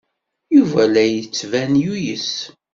Yuba la d-yettban yuyes.